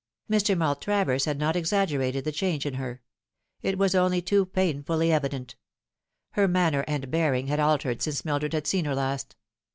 Mr. Maltravers had not exaggerated the change in her. It was only too painfully evident. Her manner and bearing had altered since Mildred had seen her last.